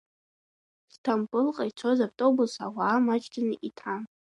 Сҭампылҟа ицоз автобус ауаа маҷӡаны иҭан.